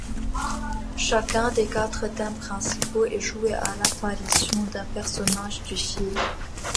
Chacun des quatre thèmes principaux est joué à l'apparition d'un personnage du film.